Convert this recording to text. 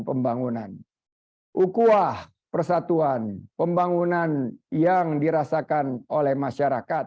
pembangunan ukuah persatuan pembangunan yang dirasakan oleh masyarakat